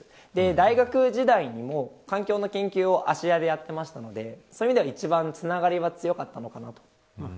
大学時代にも環境の研究を芦屋でやっていたのでそういった意味ではつながりが一番強かったと思います。